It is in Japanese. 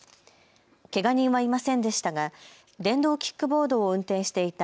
けが人はいませんでしたが電動キックボードを運転していた